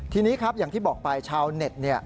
ทีนี้ครับอย่างที่บอกไปชาวเน็ต